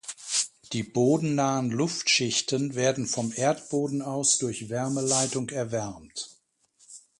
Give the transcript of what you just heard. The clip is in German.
Die bodennahen Luftschichten werden vom Erdboden aus durch Wärmeleitung erwärmt.